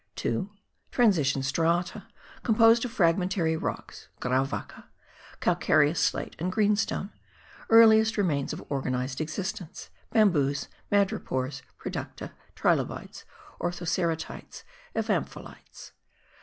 2. Transition strata, composed of fragmentary rocks (grauwacke), calcareous slate and greenstone, earliest remains of organized existence: bamboos, madrepores, producta, trilobites, orthoceratites, evamphalites).